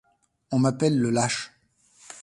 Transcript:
On m'appelle le lâche.